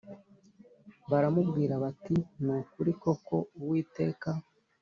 Baramubwira bati ni ukuri koko uwiteka